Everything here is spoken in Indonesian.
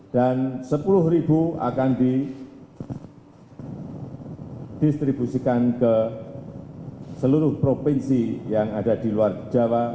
rp sepuluh akan didistribusikan ke seluruh provinsi yang ada di luar jawa